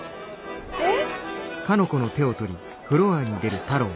えっ？